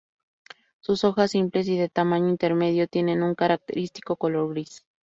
Sus hojas, simples y de tamaño intermedio, tienen un característico color gris.